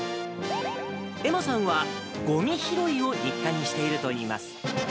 愛茉さんはごみ拾いを日課にしているといいます。